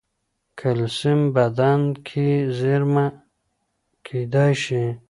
کلسیم بدن کې زېرمه کېدای شي.